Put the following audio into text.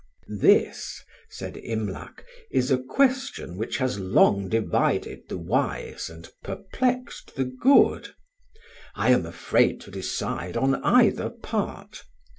"This," said Imlac, "is a question which has long divided the wise and perplexed the good. I am afraid to decide on either part.